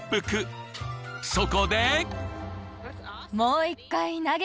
［そこで］